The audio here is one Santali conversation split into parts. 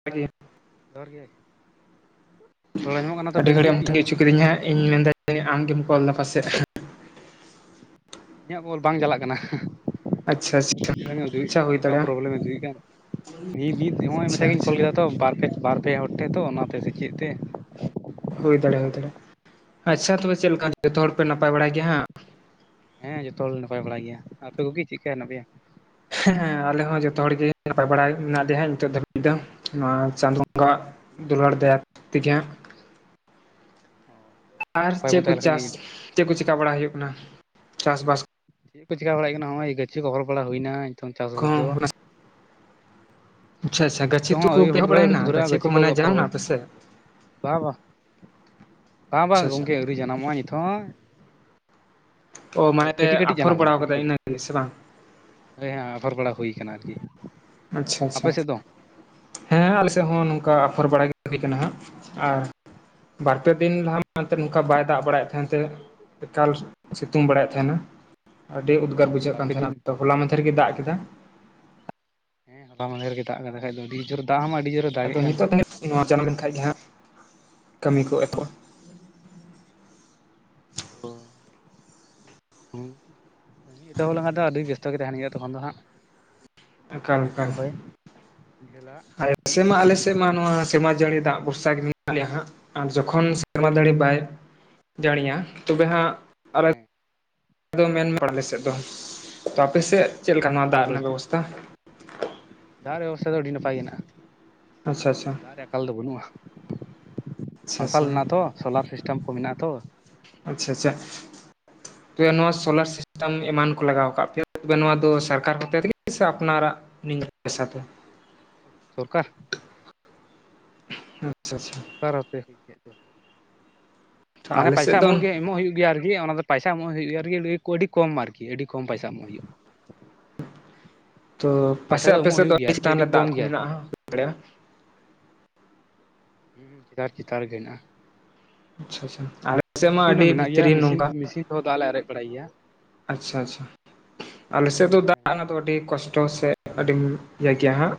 [inaudible] ᱡᱚᱦᱟᱨ ᱜᱮ᱾ ᱨᱚᱲ ᱟᱸᱡᱚᱢᱚᱜ ᱠᱟᱱᱟ ᱛᱚ ᱟᱹᱰᱤ ᱵᱮᱥ ᱜᱷᱟᱹᱲᱤᱜ ᱴᱷᱤᱠ ᱮᱢ ᱜᱮ? ᱛᱟᱹᱜᱤ ᱚᱪᱚ ᱠᱤᱫᱤᱧᱟ ᱤᱧ ᱢᱮᱱᱫᱟ ᱡᱟᱹᱱᱤᱜ ᱟᱢᱜᱮᱢ ᱠᱚᱞ ᱫᱟ ᱯᱟᱥᱮᱜ᱾ ᱤᱧᱟᱜ ᱠᱚᱞ ᱵᱟᱝ ᱪᱟᱞᱟᱜ ᱠᱟᱱᱟ᱾ ᱟᱪᱪᱷᱟ ᱟᱪᱪᱷᱟ [unintelligible] ᱟᱪᱪᱷᱟ ᱦᱩᱭ ᱪᱮᱜ ᱵᱟᱝ ᱫᱟᱲᱮᱭᱟᱜᱼᱟ ᱯᱨᱚᱵᱞᱮᱢᱮ ᱩᱫᱩᱤᱜ ᱠᱟᱱ ᱛᱤ ᱢᱤᱫ ᱦᱚᱸᱜ-ᱚᱭ ᱟᱪᱪᱷᱟ ᱢᱮᱫᱷᱟ ᱜᱮᱧ ᱟᱪᱪᱷᱟ ᱠᱚᱞ ᱞᱮᱫᱟ᱾ ᱛᱚ ᱵᱟᱨ ᱯᱮ ᱵᱟᱨ ᱯᱮ ᱦᱚᱲ ᱴᱷᱮ ᱛᱚ ᱚᱱᱟᱛᱮ ᱥᱮ ᱪᱮᱫ ᱛᱮ᱾ ᱦᱩᱭ ᱫᱟᱲᱮ ᱦᱩᱭ ᱫᱟᱲᱮᱜ-ᱟ ᱟᱪ-ᱪᱷᱟ ᱛᱚᱵᱮ ᱪᱮᱜ ᱞᱮᱠᱟ ᱡᱷᱚᱛᱚ ᱦᱚᱲᱯᱮ ᱱᱟᱯᱟᱭ ᱵᱟᱲᱟᱭ ᱜᱮᱭᱟ ᱦᱟᱸᱜ᱾ ᱦᱮᱸ ᱡᱷᱚᱛᱚ ᱦᱚᱲ ᱜᱤ ᱱᱟᱯᱟᱭ ᱵᱟᱲᱟ ᱜᱮᱭᱟ ᱟᱯᱮ ᱠᱚᱜᱤ ᱪᱮᱜ ᱠᱟ ᱦᱮᱱᱟᱜ ᱯᱮᱭᱟ᱾ ᱦᱮᱸ ᱟᱞᱮ ᱦᱚᱸ ᱡᱷᱚᱛᱚ ᱦᱚᱲ ᱜᱤ ᱱᱟᱯᱟᱭ ᱵᱟᱲᱟᱭ ᱢᱮᱱᱟᱜ ᱞᱮᱭᱟ ᱦᱮᱸ ᱱᱤᱛᱚᱜ ᱫᱷᱟᱹᱵᱤᱡ ᱫᱚ ᱱᱚᱣᱟ ᱪᱟᱸᱫᱳ ᱵᱚᱸᱜᱟᱣᱟᱜ᱾ ᱫᱩᱞᱟᱹᱲ ᱫᱟᱭᱟ ᱛᱮᱜᱤ ᱦᱟᱸᱜ᱾ [unintelligible] ᱟᱨ ᱪᱮᱜ ᱠᱩ ᱛᱟᱦᱮᱸ ᱞᱮᱠᱷᱟᱡ ᱜᱮ ᱪᱟᱥ ᱪᱮᱜ ᱠᱩ ᱪᱮᱠᱟ ᱵᱟᱲᱟ ᱦᱳᱭᱳᱜ ᱠᱟᱱᱟ ᱪᱟᱥᱵᱟᱥ᱾ ᱪᱮᱜ ᱠᱚ ᱪᱮᱠᱟ ᱵᱟᱲᱟᱭ ᱦᱩᱭᱩᱜ ᱠᱟᱱᱟ ᱦᱸᱚᱜ-ᱚᱭ ᱜᱟᱹᱪᱷᱤ ᱜᱚᱦᱚᱲ ᱵᱟᱲᱟ ᱦᱩᱭᱱᱟ ᱱᱤᱛᱚᱝ ᱪᱟᱥᱵᱟᱥ ᱫᱚ᱾ ᱠᱚᱦᱚᱸ ᱟᱪᱪᱷᱟ ᱟᱪᱪᱷᱟ ᱜᱟᱹᱪᱷᱤ ᱱᱤᱛᱚᱜ ᱦᱚᱸ ᱛᱩᱠᱩ ᱟᱹ ᱯᱮ ᱦᱩᱲᱩ ᱮᱦᱚᱵ ᱨᱚᱦᱚᱭ ᱟᱹᱣᱨᱤ ᱵᱟᱲᱟᱭᱮᱱᱟ ᱠᱚ ᱫᱷᱩᱨᱟᱹᱜ-ᱟ ᱜᱟᱹᱪᱷᱤ ᱠᱚ ᱢᱟᱱᱮ ᱩ ᱟᱯᱷᱚᱨ ᱡᱟᱱᱟᱢ ᱱᱟ ᱵᱟᱲᱟ᱾ ᱯᱮᱥᱮ ᱵᱟ ᱵᱟ ᱵᱟᱝ ᱟᱪᱪᱷᱟ ᱵᱟᱝ ᱟᱪᱪᱷᱟ ᱜᱚᱢᱠᱮ ᱟᱹᱣᱨᱤ ᱡᱟᱱᱟᱢᱚᱜᱼᱟ ᱱᱤᱛ ᱦᱚᱸ᱾ ᱚ ᱢᱟᱱᱮ ᱯᱮ ᱠᱟᱹᱴᱤᱡ ᱠᱟᱹᱴᱤᱡ ᱟᱯᱷᱚᱨ ᱵᱟᱲᱟᱣ ᱠᱟᱫᱟᱭ ᱤᱱᱟᱹᱜᱮ ᱥᱮ ᱵᱟᱝ᱾ ᱦᱟᱹᱭ ᱦᱮᱸ ᱟᱯᱷᱚᱨ ᱵᱟᱲᱟ ᱦᱩᱭ ᱠᱟᱱᱟ ᱟᱨᱠᱤ᱾ ᱟᱪᱪᱷᱟ ᱟᱯᱮ ᱟᱪᱷᱟ ᱥᱮᱫ ᱫᱚ? ᱦᱮᱸ ᱟᱞᱮᱥᱮᱜ ᱦᱚᱸ ᱱᱚᱝᱠᱟ ᱟᱯᱷᱚᱨ ᱵᱟᱲᱟ ᱜᱤ ᱦᱩᱭ ᱠᱟᱱᱟ ᱦᱟᱸᱜ ᱟᱨ᱾ ᱵᱟᱨ ᱯᱮ ᱫᱤᱱ ᱞᱟᱦᱟ ᱛᱮᱫ ᱱᱚᱝᱠᱟ ᱵᱟᱭ ᱫᱟᱜ ᱵᱟᱲᱟᱭᱮᱜ ᱛᱟᱸᱦᱮᱱ ᱛᱮ᱾ ᱮᱠᱟᱞ ᱥᱤᱛᱩᱝ ᱵᱟᱲᱟᱭᱮᱜ ᱛᱟᱦᱮᱱᱟ᱾ ᱟᱹᱰᱤ ᱩᱫᱽᱜᱟᱹᱨ ᱵᱩᱡᱷᱟᱹᱜ ᱠᱟᱱ ᱵᱟᱨᱯᱮ ᱫᱤᱱ ᱛᱟᱸᱦᱮᱱᱟ ᱛᱚ ᱦᱚᱞᱟ ᱢᱟᱫᱷᱮᱨ ᱜᱤ ᱫᱟᱜ ᱠᱮᱫᱟ᱾ ᱦᱮᱸ ᱦᱚᱞᱟ ᱢᱟᱫᱷᱮᱨ ᱜᱮ ᱫᱟᱜ ᱠᱟᱫᱟ ᱠᱷᱟᱡ ᱫᱚ ᱟᱹᱰᱤ ᱡᱳᱨ ᱫᱟᱜ ᱢᱟ ᱟᱹᱰᱤ ᱡᱳᱨᱮ᱾ ᱫᱟᱜ ᱟᱫᱚ ᱮᱫ ᱠᱟᱱ ᱱᱤᱛᱚᱜ ᱛᱟᱹᱱᱤ ᱱᱚᱣᱟ ᱪᱟᱱᱟᱣ ᱞᱮᱱ ᱠᱷᱟᱡ ᱜᱮ ᱦᱟᱸᱜ ᱠᱟᱹᱢᱤ ᱠᱚ ᱮᱛᱚᱦᱚᱵᱟ᱾ ᱚ᱾ ᱮᱛᱚᱦᱚᱵ ᱞᱮᱠᱷᱟᱱ ᱫᱚ ᱟᱹᱰᱤ ᱵᱮᱥᱛᱚ ᱜᱮ ᱛᱟᱦᱮᱱ ᱦᱩᱭᱩᱜ-ᱟ ᱛᱚᱠᱷᱚᱱ ᱫᱚ ᱦᱟᱸᱜ᱾ ᱟᱹᱞᱩ ᱨᱚᱦᱚᱭ ᱰᱷᱮᱞᱟᱜ᱾ ᱟᱞᱮᱥᱮᱜ ᱢᱟ ᱟᱞᱮᱥᱮᱜ ᱢᱟ ᱱᱚᱣᱟ ᱥᱮᱨᱢᱟ ᱡᱟᱹᱲᱤ ᱫᱟᱜ ᱵᱷᱚᱨᱥᱟ ᱜᱮ ᱢᱮᱱᱟᱜ ᱞᱮᱭᱟ ᱦᱟᱸᱜ᱾ ᱟᱨ ᱡᱚᱠᱷᱚᱱ ᱥᱮᱨᱢᱟ ᱡᱟᱹᱲᱤ ᱵᱟᱭ ᱡᱟᱹᱲᱤᱭᱟ ᱛᱚᱵᱮ ᱦᱟᱸᱜ᱾ ᱟᱞᱮ ᱦᱮᱸ ᱫᱚ ᱢᱮᱱ ᱢᱮ ᱟᱞᱮ ᱥᱮᱫ ᱫᱚ ᱛᱚ ᱟᱯᱮ ᱥᱮᱜ ᱪᱮᱫ ᱞᱮᱠᱟ ᱱᱚᱣᱟ ᱟᱠᱟᱞ ᱫᱟᱜ ᱨᱮᱱᱟᱜ ᱵᱚᱞᱛᱮ ᱵᱮᱵᱚᱥ ᱛᱟ᱾ ᱫᱟᱜ ᱨᱮᱭᱟᱜ ᱵᱮᱵᱚᱥᱛᱷᱟ ᱫᱚ ᱟᱹᱰᱤ ᱱᱟᱯᱟᱭ ᱜᱮ ᱦᱮᱱᱟᱜ-ᱟ ᱟᱪᱪᱷᱟ ᱟᱪᱪᱷᱟ ᱫᱟᱜ ᱨᱮᱭᱟᱜ ᱟᱠᱟᱞ ᱫᱚ ᱵᱟᱹᱱᱩᱜ-ᱟ᱾ ᱢᱟᱨᱥᱟᱞ ᱟᱪᱪᱷᱟ ᱢᱮᱱᱟᱜᱼᱟ ᱛᱚ, ᱥᱳᱞᱟᱨ ᱥᱤᱥᱴᱮᱢ ᱠᱚ ᱢᱮᱱᱟᱜᱼᱟ ᱛᱚ, ᱟᱪᱪᱷᱟ ᱪᱷᱟ, [unintelligible] ᱛᱚᱵᱮ ᱱᱚᱣᱟ ᱥᱳᱞᱟᱨ ᱥᱤᱥᱴᱮᱢ ᱮᱢᱟᱱ ᱠᱚ ᱞᱟᱜᱟᱣ ᱠᱟᱜ ᱯᱮᱭᱟ ᱛᱚᱵᱮ ᱱᱚᱣᱟ ᱫᱚ ᱥᱚᱨᱠᱟᱨ ᱦᱚᱛᱮ ᱛᱮᱜᱮ ᱥᱮ ᱟᱯᱱᱟᱨᱟᱜ ᱱᱤᱡᱮᱨᱟᱜ ᱯᱚᱭᱥᱟ ᱛᱮ? ᱥᱚᱨᱠᱟᱨ᱾ ᱦᱮᱸ᱾ ᱥᱚᱨᱠᱟᱨ ᱛᱮ ᱦᱩᱭ ᱠᱮᱫ ᱫᱚ᱾ ᱛᱚ ᱢᱟᱱᱮ ᱟᱞᱮ ᱯᱟᱭᱥᱟ ᱥᱮᱫ ᱫᱚ ᱮᱢᱚᱜ ᱜᱮ ᱮᱢᱚᱜ ᱦᱩᱭᱩᱜ ᱜᱮᱭᱟ ᱟᱨ ᱠᱤ ᱚᱱᱟ ᱫᱚ ᱯᱟᱭᱥᱟᱢ ᱮᱢᱚᱜ ᱦᱩᱭᱩᱜᱼᱟ ᱟᱨᱠᱤ ᱟᱹᱰᱤ ᱠᱚᱢ ᱟᱨᱠᱤ ᱟᱹᱰᱤ ᱠᱚᱢ ᱯᱟᱭᱥᱟ ᱮᱢᱚᱜ ᱦᱩᱭᱩᱜᱼᱟ᱾ ᱛᱚ ᱯᱟᱭᱥᱟ ᱯᱟᱥᱮ ᱟᱯᱮ ᱮᱢᱚᱜ ᱥᱮᱫ ᱫᱚ ᱦᱩᱭᱩᱜ ᱜᱮᱭᱟ ᱟᱹᱰᱤ ᱟᱨᱠᱤ ᱪᱮᱛᱟᱱ ᱨᱮ ᱫᱟᱜ ᱠᱚᱢ ᱠᱚ ᱜᱮᱭᱟ ᱟᱨᱠᱤ ᱢᱮᱱᱟᱜᱼᱟ ᱦᱩᱭ ᱫᱟᱲᱮᱭᱟᱜᱼᱟ ᱦᱩᱸ ᱪᱮᱛᱟᱱ ᱪᱮᱛᱟᱱ ᱨᱮᱜᱮ ᱦᱮᱸᱱᱟᱜᱼᱟ᱾ ᱟᱪᱪᱷᱟ ᱟᱪᱪᱷᱟ ᱟᱞᱮ ᱥᱮᱫ ᱢᱟ ᱢᱤᱥᱤᱱ ᱟᱹᱰᱤ ᱦᱚᱸ ᱢᱮᱱᱟᱜ ᱜᱮᱭᱟ ᱵᱷᱤᱛᱨᱤ ᱢᱤᱥᱤᱱ ᱱᱚᱝᱠᱟ ᱢᱥᱤᱱ ᱛᱮᱦᱚᱸ ᱫᱟᱜ ᱞᱮ ᱟᱨᱮᱡ ᱵᱟᱲᱟᱭ ᱜᱮᱭᱟ᱾ ᱟᱪᱪᱷᱟ ᱟᱪᱪᱷᱟ᱾ ᱟᱞᱮᱥᱮᱫ ᱫᱚ ᱢᱮᱥᱤᱱ ᱫᱟᱜ ᱨᱮᱱᱟᱜ ᱫᱚ ᱟᱹᱰᱤ ᱠᱚᱥᱴᱚ ᱥᱮ ᱟᱹᱰᱤ ᱤᱭᱟᱹ ᱜᱮᱭᱟ ᱦᱟᱸᱜ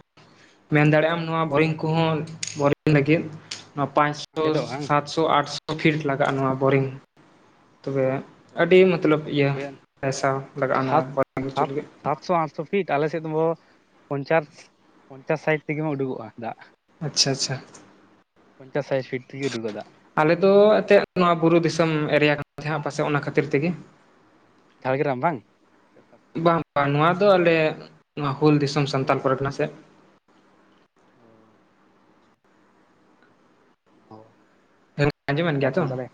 ᱢᱮᱱ ᱫᱟᱲᱮᱭᱟᱜ ᱟᱢ ᱱᱚᱣᱟ ᱵᱳᱨᱤᱝ ᱠᱚᱦᱚᱸ ᱵᱳᱨᱤᱝ ᱞᱟᱹᱜᱤᱫ ᱱᱚᱣᱟ ᱯᱟᱸᱪᱥᱚ ᱟᱸᱡᱮᱫᱚᱜᱼᱟ ᱥᱟᱛ ᱥᱚ ᱟᱴᱥᱚ ᱯᱷᱤᱴ ᱞᱟᱜᱟᱜᱼᱟ ᱱᱚᱣᱟ ᱵᱳᱨᱤᱝ, ᱛᱚᱵᱮ ᱟᱹᱰᱤ ᱢᱚᱛᱞᱚᱵ ᱤᱭᱟᱹ ᱛᱚᱵᱮ ᱯᱟᱭᱥᱟ ᱞᱟᱜᱟᱜᱼᱟ ᱥᱟᱛ ᱱᱚᱣᱟ ᱵᱳᱨᱤᱝ ᱦᱚᱪᱚ ᱥᱟᱛ ᱞᱟᱹᱜᱤᱫ ᱥᱟᱛᱥᱚ ᱟᱴ ᱥᱚ ᱯᱷᱤᱴ ᱟᱞᱮᱥᱮᱫ ᱫᱚ ᱯᱚᱧᱪᱟᱥ ᱯᱚᱧᱪᱟᱥ ᱥᱟᱴ ᱛᱮᱜᱮ ᱦᱚᱸ ᱩᱰᱩᱠᱚᱜᱼᱟ ᱫᱟᱜ᱾ ᱟᱪᱪᱷᱟ ᱟᱪᱪᱷᱟ᱾ ᱯᱚᱧᱪᱟᱥ ᱥᱟᱴ ᱯᱷᱤᱴ ᱛᱮᱜᱮ ᱩᱰᱩᱜᱼᱟ ᱫᱟᱜ᱾ ᱟᱞᱮ ᱫᱚ ᱮᱱᱛᱮᱫ ᱱᱚᱣᱟ ᱵᱩᱨᱩ ᱫᱤᱥᱚᱢ ᱮᱨᱤᱭᱟ ᱠᱟᱱ ᱛᱟᱦᱮᱸᱱᱟ ᱯᱟᱥᱮᱫ ᱚᱱᱟ ᱠᱷᱟᱹᱛᱤᱨ ᱛᱮᱜᱮ ᱡᱷᱟᱜᱨᱟᱢ ᱵᱟᱝ? ᱵᱟᱝ ᱵᱟᱝ ᱱᱚᱣᱟ ᱫᱚ ᱟᱞᱮ ᱱᱚᱣᱟ ᱦᱩᱞ ᱫᱤᱥᱚᱢ ᱥᱟᱱᱛᱟᱞ ᱯᱩᱨᱩᱞᱤᱭᱟᱹ ᱯᱚᱨ ᱠᱟᱱᱟ ᱥᱮᱜ, ᱚ᱾ ᱟᱪᱪᱷᱟ ᱟᱪᱪᱷᱟ, ᱚ ᱦᱮᱸ [unintelligible] ᱟᱡᱚᱸ ᱫᱟᱜ ᱢᱮᱱᱟᱹᱱ ᱨᱮ ᱜᱮᱭᱟ ᱛᱚ? ᱟᱠᱟᱞ ᱫᱟᱞᱮ